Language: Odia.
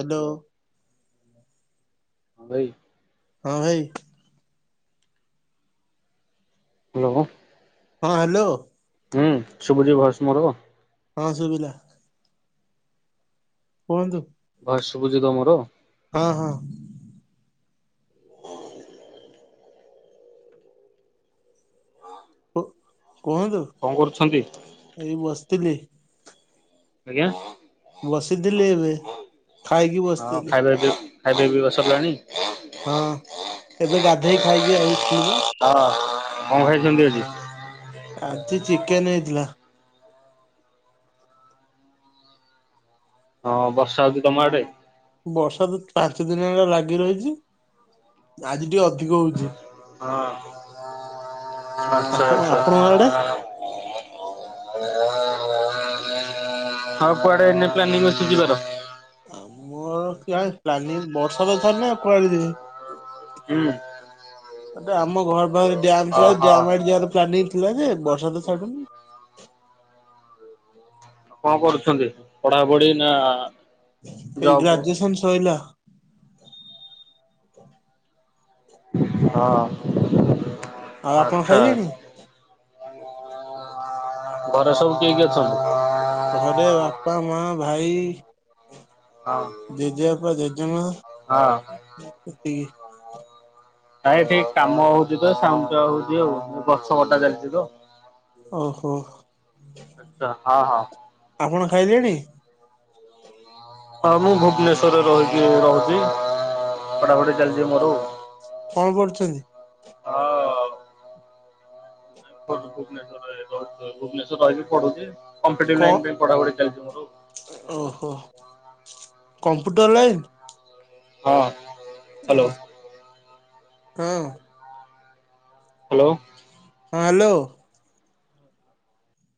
ହାଲୋ। ହ୍ୟାଲୋ ହଁ ଭାଇ। ହଁ ଭାଇ। ହାଲୋ। ହଁ ହାଲୋ। ହୁଁ ଶୁଭୁଚି ଭଏସ ମୋର? ହଁ ଶୁଭିଲା। କୁହନ୍ତୁ। ଭଏସ ଶୁଭୁଚି ତ ମୋର? ହଁ ହଁ। କୁ କୁହନ୍ତୁ। କଣ କରୁଛନ୍ତି? ଏଇ ବସଥିଲି। ଆଜ୍ଞା? ବସିଥିଲି ଏବେ ଖାଇକି ହଁ ବସଥିଲି। ଖାଇବା ପି ଖାଇବା ପିଇବା ସରିଲାଣି? ହଁ ଏବେ ଗାଧେଇ ଖାଇକି ଏ ଆସିଲି ପା। ହଁ କଣ ଖାଇଚନ୍ତି ଆଜି? ଆଜି ଚିକେନ ହେଇଥିଲା। ହଁ ବର୍ଷା ହୋଉଚି ତମ ଆଡେ? ବର୍ଷା ତ ପାଞ୍ଚ ଦିନି ହେଲା ଲାଗି ରହିଚି ଆଜି ଟିକେ ଅଧ୍ ଧିକ ହୋଉଚି। ହଁ ଆଚ୍ଛା ଆଚ୍ଛା। ଆଉ କୁଆଡେ ଏଇନେ ପ୍ଲାନିଂ ଅଛି ଯିବାର? ଆଉ ମୋର ଇଆଡେ ପ୍ଲାନିଙ୍ଗ ବର୍ଷା ତ ଛାଡ଼ୁନି ଆଉ କୁଆଡେ ଯିବି। ହୁଁ। ଏଟା ଆମ ଘର ପାଖରେ ଡ୍ୟାମ ଥିଲା ଯେ ଓହୋ। ଡ୍ୟାମ ଆଡେ ଯିବାର ପ୍ଲାନିଙ୍ଗ ଥି ଥିଲା ଯେ ବର୍ଷା ତ ଛାଡୁନି। କଣ ପଢୁଛନ୍ତି, ପଢାପଢି ନା ଏଇ ଜବ୍ ଗ୍ରାଜୁଏସନ୍ ସଇଲା। ହଁ। ଆଉ ଆପଣ ଆଚ୍ଛା। ଖାଇଲେଣି? ଘରେ ସବୁ କିଏ କିଏ ଅଛନ୍ତି? ଘରେ ବାପା, ମାଆ, ଭାଇ, ଜେଜେବାପା, ଜେଜେମାଆ। ଅ। ଏତିକି। ନାଇ ଏଠି କାମ ହୋଉଚି ତ ସାଉଣ୍ଡଟା ହୋଉଚି ଆଉ। ଗଛ କଟା ଚାଲିଚି ତ ଓହୋ ଆଚ୍ଛା ହଁ ହଁ। ତ ଆପଣ ଖାଇଲେଣି? ହଁ ମୁଁ ଭୁବନେଶ୍ୱରରେ ରହିକି ରହୁଚି ପଢାପଢି ଚାଲଚି ମୋର। କଣ କରୁଚନ୍ତି? ହଁ। ଭୁବନେଶ୍ୱରରେ ରହୁଚି ଭୁବନେଶ୍ୱରରେ ରହିକି ପଢୁଚି କମ୍ପିଟିବ୍ କଣ ଲାଇନ୍ ପାଇଁ ପଢାପଢି ଚାଲଚି ମୋର। ଓହୋ କମ୍ପ୍ୟୁଟର ଲାଇନ୍? ହଁ। ଓ ତ ହାଲୋ। ହଁ ହାଲୋ।